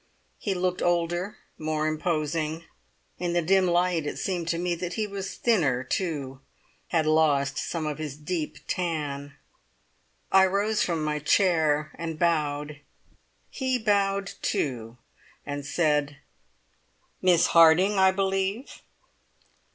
He looked older, more imposing; in the dim light it seemed to me that he was thinner too, had lost some of his deep tan. I rose from my chair and bowed. He bowed too, and said: "Miss Harding, I believe?"